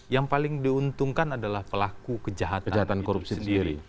yang paling diuntungkan adalah pelaku kejahatan korupsi sendiri